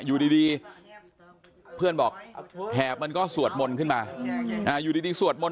อยู่ดีเพื่อนบอกแหบมันก็สวดมนต์ขึ้นมาอยู่ดีสวดมนต